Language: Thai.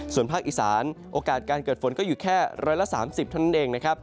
ส่วนภาคอีสานโอกาสการเกิดฝนอยู่แค่ร้อยละ๓๐เท่านั้นเอง